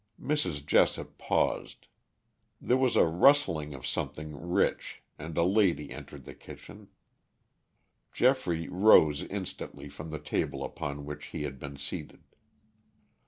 Mrs. Jessop paused. There was a rustling of something rich, and a lady entered the kitchen. Geoffrey rose instantly from the table upon which he had been seated.